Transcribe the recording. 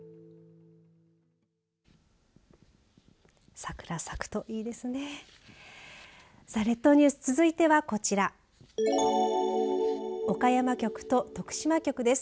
桜咲くといいですね。